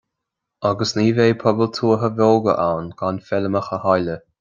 Agus ní bheidh pobail tuaithe bheoga ann gan feirmeacha theaghlaigh